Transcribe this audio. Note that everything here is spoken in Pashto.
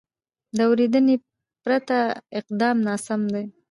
د اورېدنې پرته اقدام ناسم دی.